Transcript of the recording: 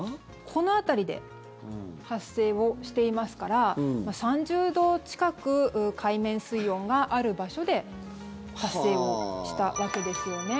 この辺りで発生をしていますから３０度近く海面水温がある場所で発生をしたわけですよね。